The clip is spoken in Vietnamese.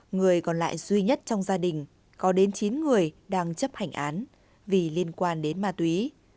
người còn lại duy nhất trong gia đình có đến chín người đang chấp hành án vì liên quan đến ma túy